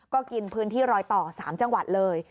ก็กินพื้นที่รอยต่อ๓จังหวัดเลย